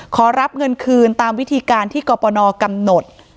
ขอรับเงินคืนตามวิธีการที่กรปนกำหนด